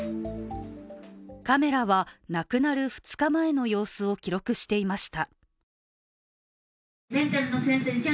カメラは亡くなる２日前の様子を記録していました。